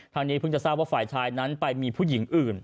ทางนี้เพิ่งจะทราบว่าฝ่ายชายนั้นไปมีผู้หญิงอื่น